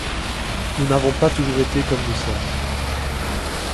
Nous n’avons pas toujours été comme nous sommes.